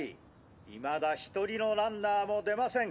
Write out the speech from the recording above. いまだ１人のランナーも出ません！